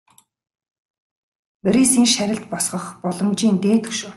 Борисын шарилд босгох боломжийн дээд хөшөө.